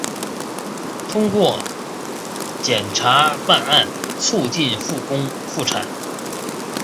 通过检察办案促进复工复产